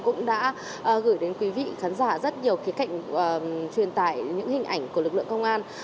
cũng đã gửi đến quý vị khán giả rất nhiều cái cạnh truyền tải những hình ảnh của lực lượng công an